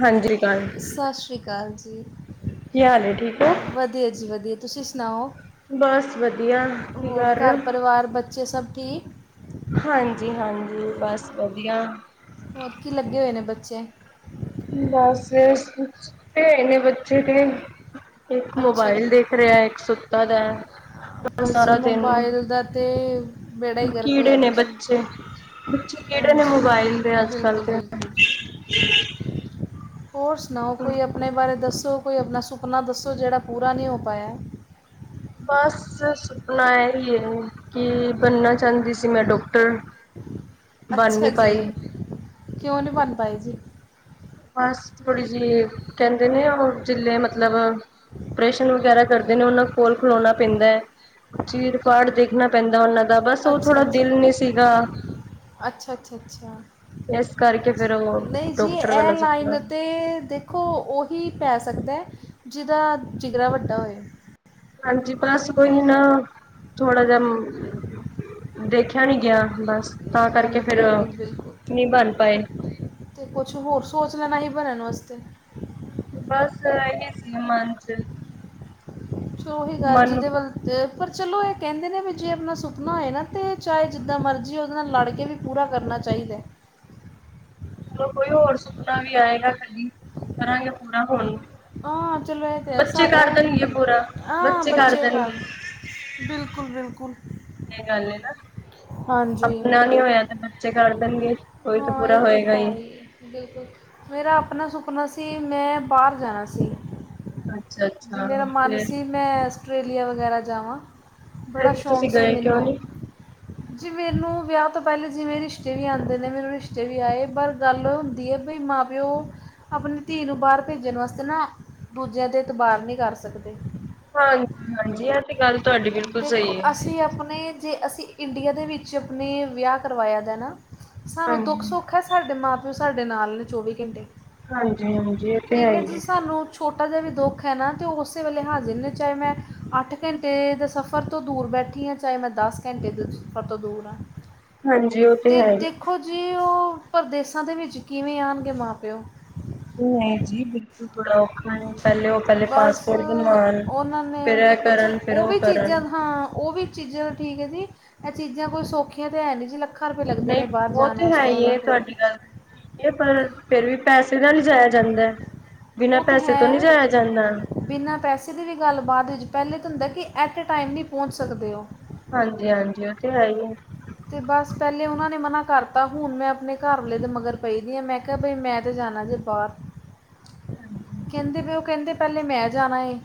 ਹਾਂਜੀ ਕਾਲ ਸਤਿ ਸ਼੍ਰੀ ਅਕਾਲ ਜੀ। ਕੀ ਹਾਲ ਏ ਠੀਕ ਹੋ? ਵਦੀਆ ਜੀ ਵਦੀਆ ਤੁਸੀਂ ਸੁਨਾਓ? ਬਸ ਵਦੀਆ। ਕੀ ਕਰ ਰੇ ਓ? ਪਰਿਵਾਰ ਬੱਚੇ ਸਭ ਠੀਕ ਹਾਂਜੀ, ਹਾਂਜੀ ਬਸ ਵਦੀਆ ਹੋਰ ਕੀ ਲੱਗੇ ਹੋਏ ਨੇਂ ਬੱਚੇ? ਬਸ ਏ ਸੁਤੇ ਨੇ ਬੱਚੇ ਤੇ ਇੱਕ ਅੱਛਾ ਮੋਬਾਇਲ ਜੀ ਦੇਖ ਰਿਹਾ ਏ। ਇੱਕ ਸੁੱਤਾ ਦਾ ਏ। ਲ ਬਸ ਜੀ ਸਾਰਾ ਦਿਨ ਮੋਬਾਈਲ ਦਾ ਤਾਂ ਬੇੜਾ ਹੀ ਗਰਕ ਕੀੜੇ ਹੋਇਆ ਦਾ ਨੇ ਜੀ ਬੱਚੇ ਬੱਚੇ ਕਿਹੜੇ ਨੇ ਹਾਂਜੀ ਮੋਬਾਇਲ ਦੇ ਅੱਜ-ਕਲ੍ ਬਿਲਕੁਲ ਦੇ ਬਿਲਕੁਲ ਹੋਰ ਸੁਨਾਓ ਕੋਈ ਆਪ ਆਪਣੇ ਬਾਰੇ ਦੱਸੋ ਕੋਈ ਆਪਣਾ ਸੁਪਨਾ ਦੱਸੋ ਜਿਹੜਾ ਪੂਰਾ ਨਹੀਂ ਹੋ ਪਾਇਆ, ਬਸ ਸੁਪਨਾ ਏਈ ਏ ਕਿ ਬਨਨਾ ਚਾਂਦੀ ਸੀ ਮੈਂ ਡੋਕਟਰ ਅੱਛਾ ਜੀ ਕਿਉਂ ਨਹੀਂ ਬਣ ਪਾਏ ਜੀ ਬਸ ਥੋੜ੍ਹੀ ਜਿਹੀ ਕਹਿੰਦੇ ਨੇ ਉਹ ਜੇ ਮਤਲਬ ਜੋ ਓਪਰੇਸ਼ਨ ਵਗੈਰਾ ਕਰਦੇ ਨੇ, ਉਹਨਾਂ ਕੋਲ ਖਲੋਣਾ ਪੈਂਦਾ, ਚੀਰ-ਫਾੜ ਦੇ। ਦੇਖਣਾ ਪੈਂਦਾ ਉਹਨਾਂ ਦਾ ਬਸ ਉਹ ਅੱਛਾ ਥੋੜਾ ਜੀ ਦਿਲ ਨੀ ਸੀਗਾ ਅੱਛਾ ਅੱਛਾ, ਇਸ ਕਰਕੇ ਫੇਰ ਉਹ ਨਹੀਂ ਜੀ ਡਾਕਟਰ ਆਹ। ਇਹ ਵਾਲਾ ਲਾਈਨ ਸੁਪਨਾ ਉੱਤੇ ਤੇ ਦੇਖੋ, ਉਹੀ ਪੈ ਸਕਦਾ ਜਿਹਦਾ ਜਿਗਰਾ ਵੱਡਾ ਹੋਏ। ਹਾਂਜੀ ਪਲੱਸ ਬਸ ਕੋਈ ਨਾ ਥੋੜ੍ਹਾ ਜਿਹਾ ਮੰਮੀ ਦੇਖਿਆ ਨਹੀਂ ਗਿਆ, ਬਸ ਤਾਂ ਕਰਕੇ ਨਾ ਫਿਰ ਬਿਲਕੁਲ ਨਹੀਂ ਬਣ ਪਾਏ। ਤੇ ਕੁਝ ਹੋਰ ਸੋਚ ਲੈਣਾ ਹੀ ਬਣਨ ਵਾਸਤੇ। ਬਸ ਇਹੀ ਸੀ ਮਨ ਚ। ਸ਼ੋਹੀ ਗੱਲ ਮਨ ਜਿਹਦੇ ਵੱਲ! ਪਰ ਚਲੋ, ਇਹ ਕਹਿੰਦੇ ਨੇ ਵੀ, ਜੇ ਆਪਣਾ ਸੁਪਨਾ ਹੋਵੇ ਨਾ, ਤੇ ਚਾਹੇ ਜਿੱਦਾਂ ਮਰਜ਼ੀ ਉਹਦੇ ਨਾਲ ਲੜ ਕੇ ਵੀ। ਪੂਰਾ ਕਰਨਾ ਚਾਹੀਦਾ। ਚਲੋ, ਕੋਈ ਹੋਰ ਸੁਪਨਾ ਵੀ ਆਏਗਾ ਕਦੀ ਕਰਾਂਗੇ ਪੂਰਾ ਹੋਣ ਨੂੰ? ਹਾਂ, ਚਲੋ, ਇਹ ਤਾਂ ਆ ਸਾਡਾ ਵੀ ਹਾਂ, ਬੱਚੇ ਕਰ। ਬਿਲਕੁਲ ਬਿਲਕੁਲ ਇਹ ਗੱਲ ਹੈ ਨਾ, ਹਾਂਜੀ ਆਪਣਾ ਨਹੀਂ ਹੋਇਆ ਤੇ ਬੱਚੇ ਕਰ ਦੇਣਗੇ। ਉਹੀ ਤਾਂ, ਹਾਂ ਪੂਰਾ ਇਹ ਹੋਏਗਾ ਹੈ ਹੀ। ਬਿਲਕੁਲ, ਮੇਰਾ ਆਪਣਾ ਸੁਪਨਾ ਸੀ, ਮੈਂ ਬਾਹਰ ਜਾਣਾ ਸੀ। ਅੱਛਾ ਜੀ, ਅੱਛਾ ਮੇਰਾ ਮਨ ਫਿਰ ਸੀ ਮੈਂ ਆਸਟ੍ਰੇਲੀਆ ਵਗੈਰਾ ਜਾਵਾਂ। ਬੜਾ ਫਿਰ ਸ਼ੌਂਕ ਤੁਸੀਂ ਸੀ ਗਏ ਕਿਉਂ ਮੈਨੂੰ। ਨੀ ਜੀ, ਮੈਨੂੰ ਵਿਆਹ ਤੋਂ ਪਹਿਲਾਂ ਜਿਵੇਂ ਰਿਸ਼ਤੇ ਵੀ ਆਉਂਦੇ ਨੇ, ਮੈਨੂੰ ਰਿਸ਼ਤੇ ਵੀ ਆਏ, ਪਰ ਗੱਲ ਹੁੰਦੀ ਹੈ ਬਈ ਮਾਂ। ਪਿਉ ਆਪਣੀ ਧੀ ਨੂੰ ਬਾਹਰ ਭੇਜਣ ਵਾਸਤੇ ਨਾ, ਦੂਜਿਆਂ ਤੇ ਇਤਬਾਰ ਨੀ ਕਰ ਸਕਦੇ। ਹਾਂਜੀ-ਹਾਂਜੀ, ਇਹ ਤੇ ਗੱਲ ਤੁਹਾਡੀ ਬਿਲਕੁਲ ਦੇਖੋ, ਸਹੀ ਹੈ ਅਸੀਂ ਆਪਣੇ ਜੇ ਅਸੀਂ ਇੰਡੀਆ ਦੇ ਵਿੱਚ ਆਪਣੇ ਵਿਆਹ ਕਰਵਾਇਆ ਦਾ ਨਾ ਸਾਨੂੰ ਹਾਂਜੀ ਦੁੱਖ-ਸੁੱਖ ਐ, ਸਾਡੇ ਮਾਂ-ਪਿਓ ਸਾਡੇ ਨਾਲ ਨੇ ਚੌਵੀ ਘੰਟੇ। ਹਾਂਜੀ-ਹਾਂਜੀ, ਇਹ ਤੇ ਠੀਕ ਹੈ ਈ ਜੀ ਏ। ਸਾਨੂੰ ਛੋਟਾ ਜਿਹਾ ਵੀ ਦੁੱਖ ਐ ਨਾ ਤੇ ਉਹ ਉਸੇ ਵੇਲੇ ਹਾਜ਼ਰ ਨੇ। ਚਾਹੇ ਮੈਂ ਅੱਠ ਘੰਟੇ ਦਾ ਸਫ਼ ਸਫ਼ਰ ਤੋਂ ਦੂਰ ਬੈਠੀ ਆ। ਚਾਹੇ ਮੈਂ ਦੱਸ ਘੰਟੇ ਦੇ ਸਫ਼ਰ ਤੋਂ ਦੂਰ ਆ। ਹਾਂਜੀ, ਉਹ ਤੇ ਹੈ ਈ। ਵੇਖੋ ਜੀ, ਉਹ ਪਰਦੇਸਾਂ ਦੇ ਵਿੱਚ ਕਿਵੇਂ ਆਂਣਗੇ ਮਾਂ-ਪਿਓ। ਨਹੀਂ ਜੀ, ਬਿਲਕੁਲ ਬੜਾ ਔਖਾ ਏ। ਪਹਿਲੇ ਉਹ ਪਹਿਲੇ ਪਾਸਪੋਟ ਬਣਵਾਂਣ ਹਲੇ ਓ ਚਲ, ਉਹ ਵੀ ਚੀਜ਼ਾਂ ਹਾਂ, ਉਹ ਵੀ ਚੀਜ਼ਾਂ ਠੀਕ ਏ ਜੀ। ਐ ਚੀਜ਼ਾਂ ਕੋਈ ਸੌਖੀਆਂ ਤੇ ਹੈ ਨੀ ਜੀ ਲ ਨਹੀਂ, ਉਹ ਤੇ ਹੈ ਈ ਏ, ਤੁਹਾਡੀ ਗੱਲ। ਇਹ ਪਰ, ਫਿਰ ਵੀ ਪੈਸੇ ਨਾਲ ਈ ਜਾਇਆ ਜਾਂਦਾ। ਬਿਨਾਂ ਉਹ ਤਾਂ ਪੈਸੇ ਤੋਂ ਨੀ ਹੈ ਜਾਇਆ ਜਾਂਦਾ। ਬਿਨਾਂ ਪੈਸੇ ਦੀ ਵੀ ਗੱਲ ਬਾਅਦ ਵਿੱਚ। ਪਹਿਲਾਂ ਤੇ ਹੁੰਦਾ ਕਿ ਐਟੇ ਟਾਈਮ ਨੀ ਪਹੁੰਚ ਸਕਦੇ ਉਹ। ਹਾਂਜੀ-ਹਾਂਜੀ, ਉਹ ਤਾਂ ਹੈ ਈ ਏ। ਤੇ ਬਸ, ਪਹਿਲੇ ਉਹਨਾਂ ਨੇ ਮਨਾਂ ਕਰਤਾ। ਹੁਣ ਮੈਂ ਆਪਣੇ ਘਰ ਵਾਲੇ ਦੇ ਮਗਰ ਪਈ ਦੀ ਆ। ਮੈਂ ਮੈਂ ਕਿਹਾ ਬ‌ਈ, ਮੈਂ ਤੇ ਜਾਣਾ ਜੇ ਬਾਹਰ ਹਾਂਜੀ। ਕਹਿੰਦੇ ਪ‌ਏ, ਉਹ ਕਹਿੰਦੇ ਪਹਿਲੇ ਮੈਂ ਜਾਣਾ ਏ।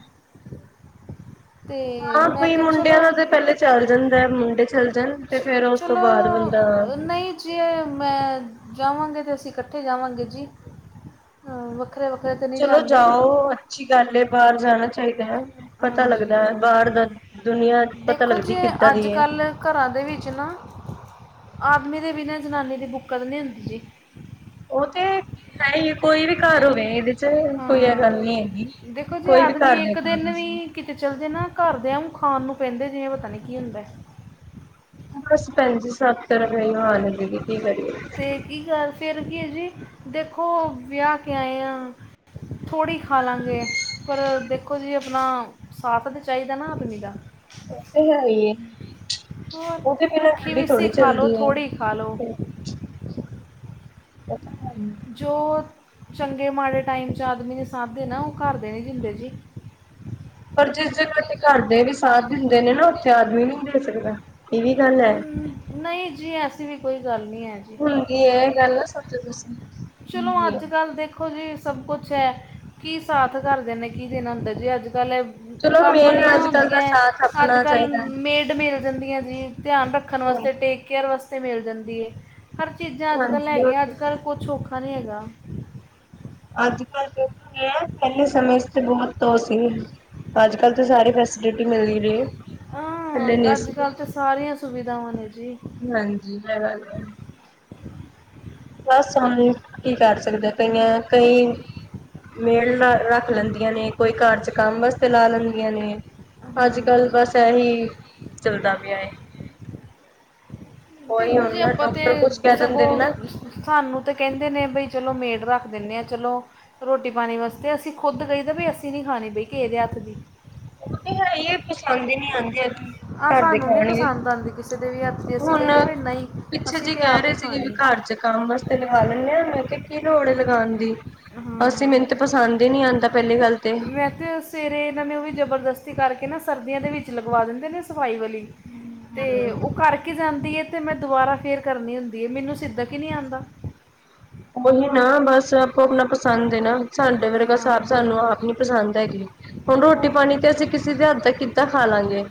ਤੇ ਹਾਂ ਮੈਂ ਪਈ, ਕਿਹਾ ਮੁੰਡਿਆਂ ਦਾ ਚਲੋ ਤਾਂ ਪਹਿਲੇ ਚੱਲ ਜਾਂਦਾ, ਮੁੰਡੇ ਚੱਲ ਜਾਣ। ਤੇ ਫੇਰ ਉਸ ਤੋਂ ਬਾਅਦ ਬੰਦਾ ਚ-ਚਲੋ ਨਹੀਂ। ਜੀ, ਮੈਂ ਜਾਵਾਂਗਾ ਤੇ ਅਸੀਂ ਇਕੱਠੇ ਜਾਵਾਂਗੇ ਜੀ। ਆ ਵੱ ਵੱਖਰੇ-ਵੱਖਰੇ ਤੇ ਨਹੀਂ ਚਲੋ, ਜਾਂਦੇ ਜਾਓ। ਅੱਛੀ ਗੱਲ ਏ, ਬਾਹਰ ਜਾਣਾ ਚਾਹੀਦਾ ਐ। ਪਤਾ ਹਾਂਜੀ ਲੱਗਦਾ ਐ, ਬਾਹਰ ਦਾ। ਦੁਨੀਆਂ ਪਤਾ ਦੇਖੋ ਲੱਗਦੀ ਜੀ ਕਿੱਦਾਂ ਅੱਜ ਦੀ ਐ। ਕੱਲ ਘਰਾਂ ਦੇ ਵਿੱਚ ਨਾ, ਆਦਮੀ ਦੇ ਬਿਨਾਂ ਜ਼ਨਾਨੀ ਦੀ ਬੁੱਕਤ ਨੀ ਹੁੰਦੀ ਜੇ। ਉਹ ਤੇ ਹੈ ਈ ਐ। ਕੋਈ ਵੀ ਘਰ ਹੋਵੇ ਇਹਦੇ ਤੇ ਹੁਣ ਕੋਈ ਇਹ ਹਾਂ ਗੱਲ ਨੀ ਹੈਗੀ। ਦੇਖੋ ਜੀ ਕੋਈ ਵੀ ਘਰ ਆਦਮੀ ਇੱਕ ਦੇਖਲੋ ਦਿਨ ਤੁਸੀਂ। ਵੀ ਕਿਤੇ ਚੱਲਜੇ ਨਾ ਘਰਦੇ ਐਂਊ ਖਾਣ ਨੂੰ ਪੈਂਦੇ, ਜਿਵੇਂ ਪਤਾ ਨੀ ਕੀ ਹੁੰਦਾ। ਬਸ ਭੈਣ ਜੀ, ਸਭ ਤਰਫ਼ ਐਹੀ ਹਾਲ ਏ ਕੀ-ਕੀ ਕਰੀਏ। ਤੇ ਕੀ ਗੱਲ ਫਿਰ ਕੀ ਏ ਜੀ। ਦੇਖੋ ਵਿਆਹ ਕੇ ਆਏ ਆ। ਥੋੜ੍ਹੀ ਖਾਲਾਗੇ। ਪਰ ਦੇਖੋ ਜੀ ਅਪਣਾ, ਸਾਥ ਤੇ ਚਾਹੀਦਾ ਨਾ ਆਦਮੀ ਦਾ। ਇਹ ਤੇ ਹੈ ਈ ਐ। ਹੋਰ ਉਹਦੇ ਬਿਨਾਂ ਰੁੱਖੀ ਗੱਡੀ ਮਿੱਸੀ ਥੋੜ੍ਹੀ ਖਾ ਲਓ ਚੱਲਦੀ ਐ। ਥੋੜੀ ਖਾ ਲਓ ਇਹ ਤਾਂ ਹੈ ਈ ਐ। ਜੋ ਚੰਗੇ-ਮਾੜੇ ਟਾਈਮ 'ਚ ਆਦਮੀ ਨੇ ਸਾਥ ਦੇਨਾਂ, ਉਹ ਘਰਦੇ ਨੀ ਦਿੰਦੇ ਜੀ। ਪਰ ਜਿਸ ਜਗ੍ਹਾ ਤੇ ਘਰ ਦੇ ਵੀ ਸਾਥ ਦਿੰਦੇ ਨੇ ਨਾ। ਉੱਥੇ ਆਦਮੀ ਨੀ ਦੇ ਸਕਦਾ। ਇਹ ਵੀ ਗੱਲ ਐ। ਹਮ, ਨਹੀਂ ਜੀ, ਐਸੀ ਵੀ ਕੋਈ ਗੱਲ ਨੀ ਹੈ ਜੀ। ਭੈਣ ਜੀ ਇਹ ਗੱਲ ਨਾ ਸੋਚੋ ਤੁਸੀਂ। ਚਲੋ, ਹੁੰਦੀ ਹੈ ਅੱਜ-ਕੱਲ੍ਹ ਦੇਖ ਦੇਖੋ ਜੀ ਸਭ ਕੁਛ ਐ। ਕੀ ਸਾਥ ਘਰਦਿਆਂ ਨੇ, ਕੀ ਦੇਨਾਂ ਹੁੰਦਾ ਜੀ। ਅੱਜ-ਕੱਲ੍ਹ ਚਲੋ ਕੰਮ ਮੇਨ ਵਾਲੀਆਂ ਅੱਜ ਕੱਲ ਦਾ ਆਉਂਦੀਐ। ਸਾਥ ਆਪਣਾ ਅੱਜ-ਕੱਲ੍ਹ ਚਾਹੀਦਾ ਹੈ। ਮੇਡ ਮਿਲ ਜਾਂਦੀਆਂ ਜੀ। ਧਿਆਨ ਰੱਖਣ ਵਾਸਤੇ, ਹਾਂਜੀ ਟੇਕ-ਕੇਅਰ ਵਾਸਤੇ ਮਿਲ ਜਾਂਦੀ ਏ। ਹਰ ਚੀਜ਼ਾਂ ਅੱਜ-ਕੱਲ੍ਹ ਹਾਂਜੀ ਉਹ ਹੈਗੀਆਂ। ਤੇ ਅੱਜ-ਕੱਲ੍ਹ ਕੁਛ ਔਖਾ ਨੀ ਹੈਗਾ। ਅੱਜ-ਕੱਲ੍ਹ ਤੇ ਠੀਕ ਹੋਗਿਆ। ਪਹਿਲੇ ਸਮੇਂ 'ਚ ਤੇ ਬਹੁਤ ਉਹ ਸੀ। ਅੱਜ-ਕੱਲ ਤਾਂ ਸਾਰੀ ਫੈਸਿਲਿਟੀ ਮਿਲਦੀ ਰੇ। ਹਾਂ, ਅੱਜ-ਕੱਲ ਤਾਂ ਸਾਰੀਆਂ ਸੁਵਿਧਾਵਾਂ ਨੇ ਜੀ। ਹਾਂਜੀ, [unintelligible] ਗੱਲ ਬਸ, ਹੁਨ ਕੀ ਕਰ ਸਕਦੇਆਂ ਕਈਆਂ ਕਈ ਮੇਲ ਰੱਖ ਲੈਂਦੀਆਂ ਨੇ। ਕੋਈ ਘਰ ਚ ਕੰਮ ਵਾਸਤੇ ਲਾ ਲੈਂਦੀਆਂ ਨੇ। ਅੱਜ-ਕੱਲ ਹਾਂ ਬਸ ਐਹੀ ਚੱਲਦਾ ਪੇਆਏ। ਉਹੀ ਦੇਖੋ ਜੀ, ਹੁਣ ਨਾ ਆਪਾਂ ਤੇ ਡਾਕਟਰ ਕੁਛ ਕਹਿ ਸਗੋਂ ਦਿੰਦੇ ਨੇ ਨਾ ਸਾਨੂੰ ਤੇ ਕੈਂਦੇ ਨੇ ਬਈ ਚਲੋ ਮੇਡ ਰੱਖ ਦਿੰਨੇ ਆਂ ਚਲੋ ਰੋਟੀ-ਪਾਣੀ ਵਾਸਤੇ ਅਸੀ ਖੁੱਦ ਕਈ ਤਾਂ ਵੀ ਅਸੀ ਨਈਂ ਖਾਣੀ ਬਈ ਕਿਹੇ ਦੇ ਹੱਥ ਦੀ। ਓਤੇ ਹੈ, ਪਸੰਦ ਈ ਨੀਂ ਆਂਦੀ। ਆਹ ਸਾਨੂੰ ਨੀ ਪਸੰਦ ਆਂਦੀ ਕਿਸੇ ਦੇ ਵੀ ਹੱਥ ਦੀ, ਅਸੀ ਕਈ ਹੁਣ ਦਾ ਵੀ ਨਈਂ ਪਿੱਛੇ ਅਸੀ ਤੇ ਕਹਿ ਆਪ ਈ ਰਹੇ ਸੀਗੇ ਵੀ ਖਾਣੀ। ਘਰ ਜੇ ਕੰਮ ਵਾਸਤੇ ਲਗਾਨੀਂ, ਹਾਂ ਮੈਂ ਕੇਆ ਕੀ ਲੋੜ ਲਗਾਣ ਦੀ? ਅਸੀ ਹਾਂ ਮੈਨੂੰ ਤੇ ਪਸੰਦ ਈਂ ਨੀਂ ਆਂਦਾ ਪੈਲੀ ਗੱਲ ਤੇ। ਮੈਂ ਤੇ ਸਵੇਰੇ ਏਨਾਂ ਨੇ ਓਵੀ ਜਬਰਦਸਤੀ ਕਰਕੇ ਨਾ ਸਰਦੀਆਂ ਦੇ ਵਿੱਚ ਲਗਵਾ ਦਿੰਦੇ ਨੇ ਸਫਾਈ ਵਾਲੀ। ਤੇ ਹਮ ਓ ਕਰ ਕੇ ਜਾਂਦੀ ਐਤੇ, ਮੈਂ ਦੁਬਾਰਾ ਫੇਰ ਕਰਨੀ ਹੁੰਦੀਐ ਮੈਨੂੰ ਸਿੱਦਕ ਈ ਨੀਂ ਆਂਦਾ। ਓਹੀ ਨਾ ਬਸ ਆਪੋ ਅਪਨਾ ਪਸੰਦ ਏ ਨਾ ਸਾਡੇ ਵਰਗਾ ਸਾਬ, ਹਾਂ, ਸਾਨੂੰ ਆਪ ਨੀ ਪਸੰਦ ਹੈਗੀ ਹੁਣ, ਰੋਟੀ ਹੋਰ ਪਾਣੀ ਤੇ ਅਸੀ ਕਿਸੇ ਦੇ ਹੱਥ ਦਾ ਕਿੱਦਾਂ ਖਾਲਾਂਗੇ?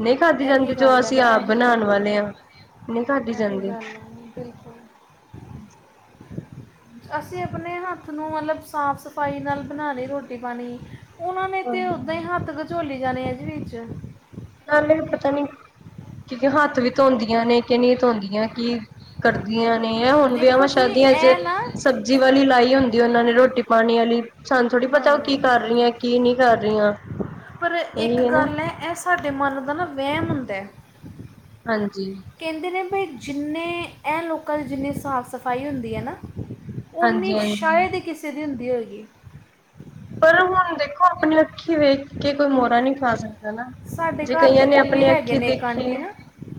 ਨਈਂ ਖਾਦੀ ਇਹੀ ਜਾਂਦੀ, ਜੋ ਗੱਲ ਹੈ ਅਸੀ ਨਾ ਆਪ ਇਹੀ ਬਣਾਣ ਗੱਲ ਵਾਲੇ ਆਂ, ਨਈਂ ਖਾਦੀ ਇਹੀ ਜਾਂਦੀ। ਗੱਲ ਹੈ ਹੂੰ। ਅਸੀ ਅਪਨੇ ਹੱਥ ਨੂੰ ਮਤਲਬ ਸਾਫ-ਸਫਾਈ ਨਾਲ ਬਣਾਣੀ ਰੋਟੀ-ਪਾਣੀ। ਓਨਾਂ ਨੇ ਤੇ ਓਦਾਂ ਹੀ ਹੱਥ ਗਚੋਲੀ ਜਾਣੇ ਆ ਜੀ ਵਿੱਚ। ਨਾਲੇ ਏ ਪਤਾ ਨੀ, ਕਿ ਹੱਥ ਵੀ ਧੋਂਦੀਆਂ ਨੇ ਕਿ ਨੀਂ ਧੋਂਦੀਆਂ ਕੀ? ਕਰਦੀਆਂ ਨੇ ਐ ਹੁਣ ਦੇਖੋ ਵੀਆਵਾਂ, ਜੀ ਸ਼ਾਦੀਆ ਚ ਇਹ ਨਾ ਜੀ ਵਾਲੀ ਲਾਈ ਹੁੰਦੀਏ, ਓਨੇ ਰੋਟੀ-ਪਾਣੀ ਆਲੀ। ਸਾਨੂੰ ਥੋੜ੍ਹੀ ਪਤਾ ਓ ਹਾਂ ਕੀ ਕਰ ਰੀਆਂ ਕੀ ਨਈਂ ਕਰ ਰੀਆਂ, ਪਰ ਇੱਕ ਏਹੀ ਹੈਨਾ। ਗੱਲ ਹੈ ਇਹ ਸਾਡੇ ਮਨ ਦਾ ਨਾ ਵੈਮ ਹੁੰਦੈ। ਹਾਂਜੀ। ਕੈਂਦੇ ਨੇ ਬਈ ਜਿੰਨੇ ਐ ਲੋਕਾਂ ਦੀ ਜਿੰਨੀ ਸਾਫ-ਸਫਾਈ ਹੁੰਦੀ ਐਨਾ ਉੱਨੀ ਹਾਂਜੀ ਹਾਂਜੀ। ਸ਼ਾਈਦ ਈ ਕਿਸੇ ਦੀ ਹੁੰਦੀ ਹੋਏਗੀ। ਪਰ ਹੁਣ ਦੇਖੋ, ਅਪਣੀ ਅੱਖੀ ਵੇਖ ਕੇ ਕੋਈ ਮੋੜਾ ਨੀਂ ਖਾ ਸਕਦਾ ਨਾ। ਸਾਡੇ ਜੇ ਘਰ ਦੇ ਕਈਆਂ ਨੇ ਕੋਲ ਵੀ ਆਪਣੇ ਹੈਗੇ ਅੱਖੀ ਨੇ ਇੱਕ ਦੇਖੀ ਆਂਟੀ ਨਾ,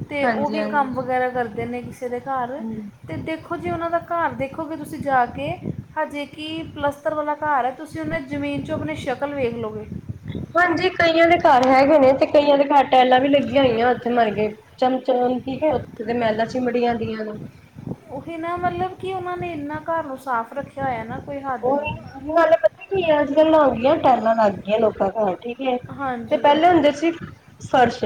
ਤੇ ਹਾਂਜੀ ਓਵੀ ਹਾਂਜੀ। ਕੰਮ ਵਗੈਰਾ ਕਰਦੇ ਦੇਨੇ ਕਿਸੇ ਦੇ ਘਰ। ਹੂੰ। ਤੇ ਦੇਖੋ ਜੀ ਓਨਾਂ ਦਾ ਘਰ ਦੇਖੋਗੇ ਤੁਸੀਂ ਜਾਕੇ ਹਜੇ ਕਿ ਪਲੱਸ ਤਰ ਵਾਲਾ ਘਰ ਐ, ਤੁਸੀ ਓਨਾ ਦੀ ਜਮੀਨ ਚੋਂ ਅਪਨੀ ਸ਼ਕਲ ਵੇਖ ਲੋਗੇ। ਹਾਂਜੀ, ਕਈਆਂ ਦੇ ਘਰ ਹੈਗੇ ਨੇ ਤੇ ਕਈਆਂ ਦੇ ਘਰ ਟੈਲਾਂ ਵੀ ਲੱਗੀਆਂ ਹੋਈਆਂ ਓਥੇ ਮਰਗੇ ਚਮਚਮ ਠੀਕੈ ਓਥੇ ਦੇ ਮੈਲਾਂ ਚਿਮੜੀਆਂ ਦੀਆਂ ਨੇ। ਓਹੀ ਨਾ ਮਤਲਬ ਕਿ ਓਨਾਂ ਨੇ ਇਨਾ ਘਰ ਨੂੰ ਸਾਫ ਰੱਖੇਆ ਹੋਇਆ ਨਾ ਕੋਈ ਹੱਦ ਨੀਂ। ਉਹੀ ਨਾਲੇ ਪਤਾ ਕੀ ਆ ਅੱਜ-ਕੱਲ ਹੋਗਿਆ ਟੈਲਾਂ ਲੱਗ ਗਈਆਂ ਲੋਕਾਂ ਘਰ ਠੀਕ ਕੇ ਤੇ ਹਾਂਜੀ ਪੈਲੇ ਹੁੰਦੇ ਸੀ ਫਰਸ਼।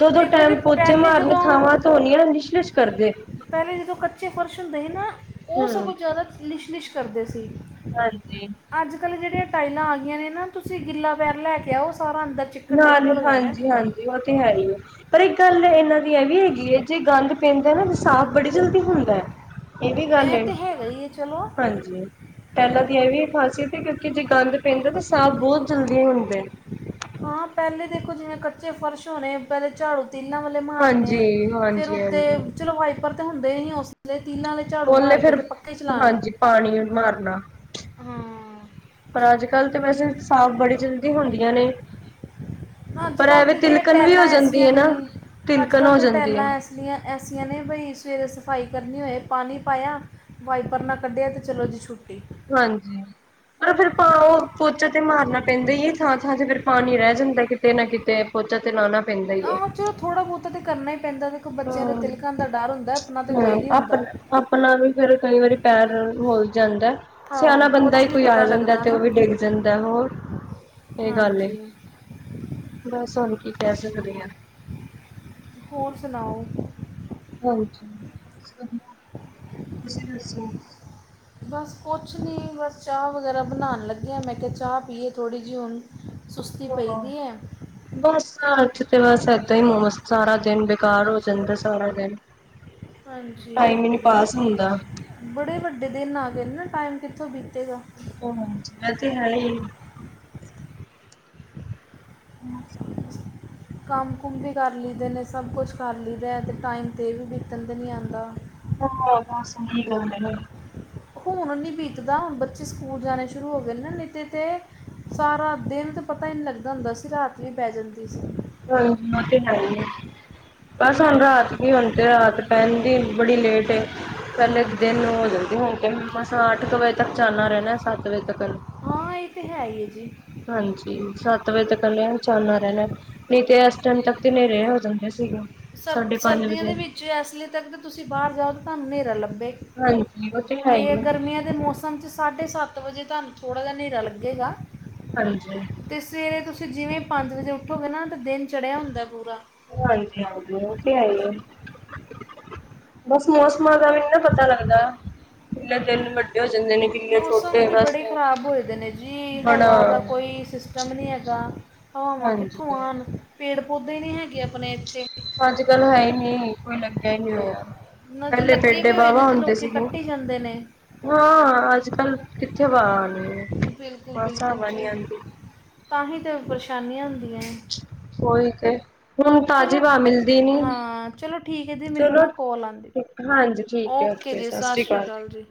ਦੋ-ਦੋ ਦੇਖੋ ਜੀ ਟੈਮ ਪੋਚੇ ਪਹਿਲੇ ਮਾਰਨੇ, ਥਾਵਾਂ ਧੋਣੀਆਂ ਲਿਸ਼ਲਿਸ਼ ਕਰਦੇ। ਪੈਲੇ ਜਦੋਂ ਕੱਚੇ ਫ਼ਰਸ਼ ਹੁੰਦੇ ਸੀ ਨਾ, ਓਹ ਹੂੰ ਸਗੋਂ ਜਾਦਾ ਲਿਸ਼ ਲਿਸ਼ ਕਰਦੇ ਸੀ। ਹਾਂਜੀ। ਅੱਜ-ਕੱਲ ਜੇੜੀਆਂ ਟਾਈਲਾਂ ਆ ਗਈਆਂ ਨੇ ਨਾ, ਤੁਸੀਂ ਗਿੱਲਾ ਪੈਰ ਲੈਕੇ ਆਓ ਸਾਰਾ ਅੰਦਰ ਚਿੱਕ ਨਾਲ ਹੀ ਹਾਂਜੀ -ਹਾਂਜੀ ਉਹ ਤੇ ਹੈ ਹੀ ਆ। ਪਰ ਇੱਕ ਗੱਲ ਇਹਨਾਂ ਦੀ ਇਹ ਵੀ ਹੈਗੀ ਹੈ ਜੇ ਗੰਦ ਪੈਂਦਾ ਨਾ ਤੇ ਸਾਫ਼ ਬੜੀ ਜਲਦੀ ਹੁੰਦਾ ਹੈ। ਇਹ ਵੀ ਗੱਲ ਐ ਹੈ ਤੇ ਹੈਗਾ ਹੀ ਹੈ ਚਲੋ ਹਾਂਜੀ। ਟਾਈਲਾਂ ਦੀ ਆਂ ਇਹ ਵੀ ਇਕ ਖ਼ਾਸੀਅਤ ਹੈ। ਕਿਉਂਕਿ ਜੇ ਗੰਦ ਪੈਂਦਾ ਤਾਂ ਸਾਫ਼ ਬਹੁਤ ਜਲਦੀ ਹੁੰਦਾ ਹੈ। ਹਾਂ ਪਹਿਲੇ ਦੇਖੋ ਜਿਵੇਂ ਕੱਚੇ ਫਰਸ਼ ਹੋਣੇ ਪਹਿਲੇ ਝਾੜੂ। ਤੀਲਾਂ ਵਾਲੇ ਮਾਰਨੇ ਫੇਰ ਉੱਤੇ ਹਾਂਜੀ-ਹਾਂਜੀ-ਹਾਂਜੀ ਚਲੋ ਵਾਈਪਰ ਤੇ ਹੁੰਦੇ ਹੀ ਨੀ ਉਸਦੇ ਤੀਲਾਂ ਵਾਲੇ। ਝਾੜੂ ਨੇ ਮਾਰ ਕੇ ਫੇਰ ਤੇ ਪੱਕੇ ਚਲਾਣੇ ਹਾਂਜੀ ਪਾਣੀ ਮਾਰਨਾ। ਹਾਂ ਪਰ ਅੱਜ ਕੱਲ੍ਹ ਤਾਂ ਵੈਸੇ ਸਾਫ਼ ਬੜੀ ਜਲਦੀ ਹੁੰਦੀਆਂ ਨੇ। ਅੱਜ ਪਰ ਕੱਲ੍ਹ ਐਵੇਂ ਤੇ ਜੇ ਇਹ ਤਿਲਕਣ ਵੀ ਟੈਲਾਂ ਹੋ ਜਾਂਦੀ ਐਸੀਆਂ ਹੈ ਨੇ ਨਾ ਅੱਜ ਤਿਲਕਣ ਕੱਲ੍ਹ ਹੋ ਤਾਂ ਜਾਂਦੀ ਹੈ। ਟੈਲਾਂ ਐਸੀਆ। ਟੈਲਾਂ ਐਸੀਆਂ ਨੇ ਬਈ ਸਵੇਰੇ ਸਫਾਈ ਕਰਨੀ ਹੋਵੇ ਪਾਣੀ ਪਾਇਆ। ਵਾਈਪਰ ਨਾਲ ਕੱਢਿਆ ਅਤੇ ਚਲੋ ਜੀ ਛੁੱਟੀ। ਹਾਂਜੀ ਪਰ ਫੇਰ ਤਾ ਉਹ ਪੋਚਾ ਤੇ ਮਾਰਨਾ ਪੈਂਦਾ ਹੀ ਏ ਥਾਂ-ਥਾਂ ਤੇ ਫਿਰ। ਪਾਣੀ ਰਹਿ ਜਾਂਦਾ ਕਿਤੇ ਨਾ ਕਿਤੇ ਪੋਚਾ ਤੇ ਲਉਣਾ। ਹਾਂ ਚਲੋ ਥੋੜ੍ਹਾ ਬਹੁਤਾ ਤਾਂ ਕਰਨਾ ਹੀ ਪੈਂਦਾ ਦੇਖੋ ਬੱਚਿਆਂ ਦੇ ਹਮ ਤਿਲਕਣ ਦਾ ਡਰ ਹੁੰਦਾ ਆਪਣਾ ਤੇ ਕੋਈ ਨਹੀਂ ਹੁੰਦਾ। ਆਪਣਾ ਆਪਣਾ ਵੀ ਫਿਰ ਕਈ ਵਾਰੀ ਪੈਰ ਹੋ ਜਾਂਦਾ। ਸਿਆਣਾ ਹਾਂ ਬੰਦਾ ਹੀ ਕੁਛ ਨਹੀਂ ਕੋਈ ਆ ਪਤਾ ਜਾਂਦਾ ਲੱਗਦਾ ਤੇ ਉਹ ਨਾ ਵੀ ਡਿੱਗ ਜਾਂਦਾ ਹੋਰ ਇਹ ਗੱਲ ਏ ਹਾਂਜੀ ਬਸ ਹੁਣ ਕੀ ਕਹਿ ਸਕਦੇ ਹਾਂ। ਹੋਰ ਸੁਣਾਓ। ਹਾਜੀ ਤੁਸੀਂ ਦੱਸੋ ਤੁਸੀ ਦੱਸੋ। ਬਸ ਕੁਛ ਨਹੀਂ ਬਸ ਚਾਹ ਵਗੈਰਾ ਬਣਾਉਣ ਲੱਗੇ ਹਾਂ ਮੈਂ ਕਿਹਾ ਚਾਹ ਪੀਏ ਥੜ੍ਹੀ ਜਿਹੀ ਹੁਣ। ਸੁਸਤੀ ਪਈ ਹਾਂ। ਦੀ ਹੈ। ਬਸ ਅੱਥੇ ਤੇ ਬਸ ਏਦਾਂ ਹੀ ਮੋਮਸ ਸਾਰਾ ਦਿਨ ਬੇਕਾਰ ਹੋ ਜਾਂਦਾ ਸਾਰਾ ਦਿਨ। ਹਾਂਜੀ। ਟਾਈਮ ਹੀ ਨੀ ਪਾਸ ਹੁੰਦਾ। ਬੜੇ ਵੱਡੇ ਦਿਨ ਆ ਗਏ ਨੇ ਨਾ ਟਾਈਮ ਕਿੱਥੋਂ ਬੀਤੇਗਾ। ਉਹ ਹਾਂਜੀ ਇਹ ਤੇ ਹੈ ਹੀ। [unintelligible] [inaudible] ਕੰਮ ਕੁਮ ਵੀ ਕਰ ਲਈਦੇ ਨੇ ਸਭ ਕੁਛ ਕਰ ਲਈਦਾ ਅਤੇ ਟਾਈਮ 'ਤੇ ਵੀ ਬੀਤਣ ਤੇ ਨਹੀਂ ਆਉਂਦਾ। ਹੋਰ ਬਸ ਹੁਣ ਕੀ ਕਰਨਾ ਹੁਣ ਨਹੀਂ ਬੀਤਦਾ ਹੁਣ ਬੱਚੇ ਸਕੂਲ ਜਾਣੇ ਸ਼ੁਰੂ ਹੋ ਗਏ ਨੇ ਨਹੀਂ ਤੇ ਤੇ। ਸਾਰਾ ਦਿਨ ਤਾਂ ਪਤਾ ਹੀ ਨਹੀਂ ਲੱਗਦਾ ਹੁੰਦਾ ਸੀ ਰਾਤ ਵੀ ਪੈ ਜਾਂਦੀ ਸੀ। ਹਾਂਜੀ ਉਹ ਤੇ ਹੈ ਹੀ ਬਸ ਹੁਣ ਰਾਤ ਕੀ ਹੁਣ ਤੇ ਰਾਤ ਪੈਦੀ ਬੜੀ ਲੇਟ ਹੈ। ਪਹਿਲੇ ਹਾਂਜੀ ਦਿਨ ਹੋ ਜਾਂਦੀ ਹੁਣ ਤੇ ਮਸਾਂ ਅੱਠ ਕੁ ਵਜੇ ਤੱਕ ਚਾਨਣਾ ਰਹਿਣਾ ਸੱਤ ਕ ਵਜੇ ਤੱਕ। ਹਾਂ ਇਹ ਤੇ ਹੈ ਹੀ ਹੈ ਜੀ। ਹਾਂਜੀ, ਸੱਤ ਵਜੇ ਤੱਕਨ ਚਾਨਣਾ ਰਹਿਣਾ ਨਹੀਂ ਤੇ ਇਸ ਟਾਈਮ ਤੱਕ ਤੇ ਹਨੇਰੇ ਹੋ ਜਾਂਦਾ। ਸੀਗਾ ਸਾਢੇ ਪੰਜ ਵਜੇ। ਜੇ ਇਸ ਲਈ ਤੱਕ ਤੁਸੀਂ ਬਾਹਰ ਜਾਓ ਤਾਂ ਤੁਹਾਨੂੰ ਹਨੇਰਾ ਲੱਭੇ ਹਾਂਜੀ ਉਹ ਹੈ ਹੀ ਤੇ ਆ ਗਰਮੀਆਂ ਦੇ ਮੌਸਮ ਚ ਸਾਢੇ ਸੱਤ ਵਜੇ ਤੁਹਾਨੂੰ ਥੋੜ੍ਹਾ ਜ ਨੇਰਾ ਲੱਗੇਗਾ ਹਾਂਜੀ ਅਤੇ ਸਵੇਰੇ ਤੁਸੀਂ ਜਿਵੇਂ ਪੰਜ ਵਜੇ ਉੱਠੋਗੇ ਨਾ ਤਾਂ ਦਿਨ ਚੜ੍ਹਿਆ ਹੁੰਦਾ ਪੂਰਾ ਹਾਂਜੀ ਹਾਂਜੀ ਉਹ ਤੇ ਹੈ ਹੀ ਏ ਬਸ ਮੌਸਮਾਂ ਦਾ ਵੀ ਨਈ ਨਾ ਪਤਾ ਲੱਗਦਾ ਕਿੰਨੇ ਦਿਨ ਵੱਡੇ ਹੋ ਜਾਂਦੇ ਨੇ ਕਿੰਨੇ ਮੌਸਮ ਛੋਟੇ ਤੇ ਬਸ ਬੜੇ ਖ਼ਰਾਬ ਹੋਏ ਦੇ ਨੇ ਜੀ ਬੜਾ ਹਵਾ ਦਾ ਕੋਈ ਦਮ ਨੀ ਹੈਗਾ ਹਵਾਵਾਂ ਹਾਂਜੀ ਕਿੱਥੋਂ ਆਣ ਪੇੜ ਪੌਦੇ ਨੀ ਹੈਗੇ ਆਪਣੇ ਏਥੇ ਅੱਜ-ਕੱਲ ਹੈ ਈ ਨੀ ਕੋਈ ਲੱਗਿਆ ਈ ਹੋਯਾ ਨਾ ਜੀ ਪੈਲੇ ਲੱਗੇ ਪੇਡੇ ਵੀ ਹੋਏ ਵਾਹ ਨੇ ਵਾ ਤੇ ਹੁੰਦੇ ਲੋਕੀ ਸੀਗੇ ਕੱਟੀ ਜਾਂਦੇ ਨੇ ਹਾਂ ਅੱਜ-ਕੱਲ ਕਿੱਥੇ ਵਾ ਆਣੀ ਏ। ਬਿਲਕੁਲ-ਬਿਲਕੁਲ ਜੀ ਤਾਂਹੀ ਤੇ ਪਰੇਸ਼ਾਨੀਆਂ ਹੁੰਦੀਆਂ ਐ ਉਹੀ ਤੇ ਹੁਣ ਤਾਜ਼ੀ ਚਲੋ, ਹਵਾ ਮਿਲਦੀ ਨੀ ਹਾਂ ਚਲੋ ਠੀਕ ਐ ਦੀ ਮੈਨੂੰ ਚਲੋ ਨਾ ਕੋਲ ਆਂਦੀ ਹਾਂਜੀ ਠੀਕ ਹੈ ਓਕੇ ਜੀ ਸਤਿ ਸ਼੍ਰੀ ਸਾਸ ਸ੍ਰੀ ਅਕਾਲ। ਕਾਲ ਜੀ।